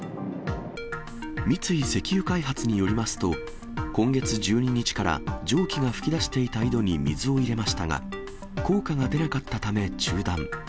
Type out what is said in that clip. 三井石油開発によりますと、今月１２日から蒸気が噴き出していた井戸に水を入れましたが、効果が出なかったため、中断。